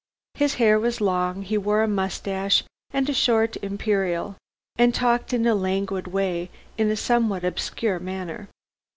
His hair was long, he wore a moustache and a short imperial, and talked in a languid way in a somewhat obscure manner.